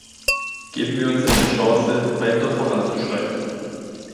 Geben wir uns eine Chance, weiter voranzuschreiten.